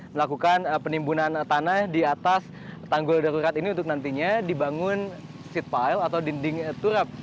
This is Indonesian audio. melakukan penimbunan tanah di atas tanggul darurat ini untuk nantinya dibangun seat pile atau dinding turap